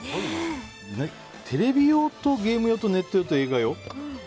テレビ用とゲーム用とネット用と映画用？